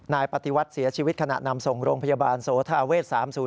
นายปฏิวัติเสียชีวิตขณะนำส่งโรงพยาบาลโสธาเวศ๓๐